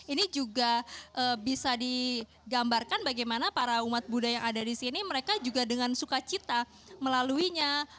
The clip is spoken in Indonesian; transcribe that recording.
ini juga bisa digambarkan bagaimana para umat buddha yang ada di sini mereka juga dengan sukacita melaluinya